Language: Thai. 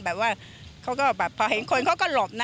แบบว่าเขาก็แบบพอเห็นคนเขาก็หลบนะ